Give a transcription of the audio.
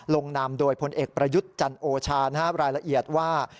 ลงนามโดยพลเอกประยุทธ์จันโอชารายละเอียดว่า